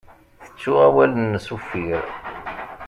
Tettu awal-nnes uffir.